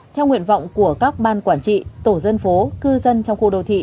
theo nguyện vọng của các ban quản trị tổ dân phố cư dân trong khu đô thị